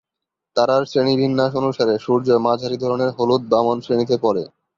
তারার শ্রেণীবিন্যাস অনুসারে সূর্য মাঝারি ধরনের হলুদ বামন শ্রেণীতে পড়ে।